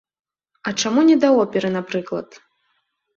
А чаму не да оперы, напрыклад?